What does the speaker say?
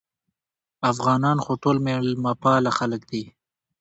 افغانان خو ټول مېلمه پاله خلک دي